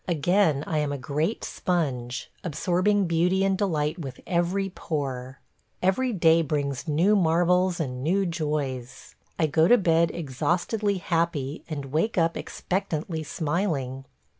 Again I am a great sponge, absorbing beauty and delight with every pore. Every day brings new marvels and new joys. I go to bed exhaustedly happy and wake up expectantly smiling.